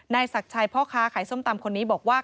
ศักดิ์ชัยพ่อค้าขายส้มตำคนนี้บอกว่า